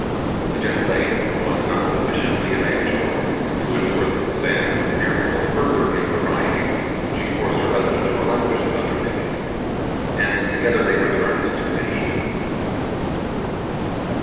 The gentle dame was not sufficiently evangelical to endure this, and, fearful of further improprieties, she forced her husband to relinquish his undertaking, and together they returned to Tahiti.